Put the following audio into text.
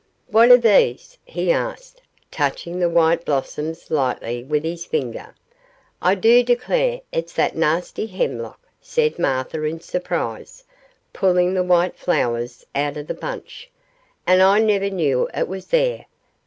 'What are these?' he asked, touching the white blossoms lightly with his finger. 'I do declare it's that nasty hemlock!' said Martha, in surprise, pulling the white flowers out of the bunch; 'and I never knew it was there.